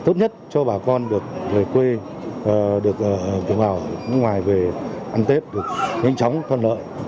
đồng chí đồng chí đồng chí đồng chí đồng chí